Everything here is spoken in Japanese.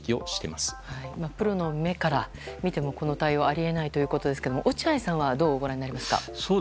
まあ、プロの目から見てもこの対応はあり得ないということですけど落合さんはどうみますか？